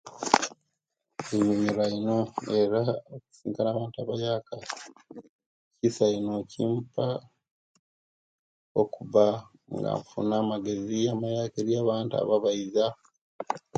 Inyumirwa ino era okusisinkana abantu abayaka kisa ino kimpa okuba nga infuna amagezi amayaka eri abantu abo abaiza